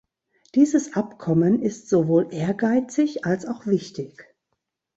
Dieses Abkommen ist sowohl ehrgeizig als auch wichtig.